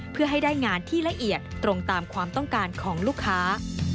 เพื่อให้ได้งานที่ละเอียดตรงตามความต้องการของลูกค้า